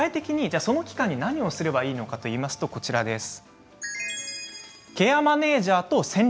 何をすればいいのかといいますと、こちらです。